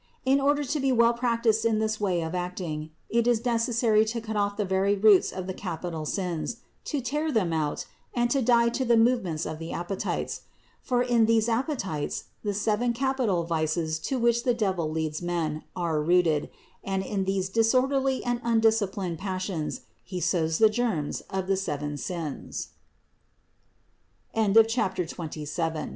In order to be well practiced in this way of acting it is necessary to cut off the very roots of the capital sins, to tear them out, and to die to the movements of the appetites. For in these appetites the seven capital vices to which the devil leads men, are rooted, and in these dis orderly and undisciplined passions he sows the germs of t